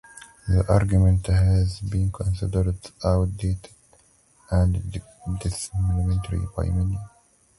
The argument has been considered outdated and discriminatory by many.